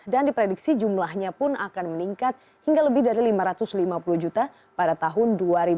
dan diprediksi jumlahnya pun akan meningkat hingga lebih dari lima ratus lima puluh juta pada tahun dua ribu lima puluh